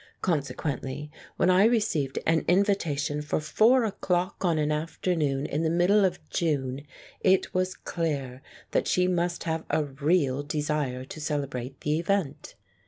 Consequently when I re ceived an invitation for four o'clock on an afternoon in the middle of June, it was clear that she must have a real desire to celebrate the event.